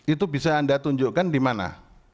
itu bisa anda tunjukkan di mana